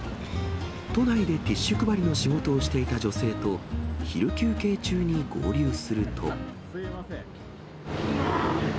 都内でティッシュ配りの仕事をしていた女性と、昼休憩中に合流すいやー。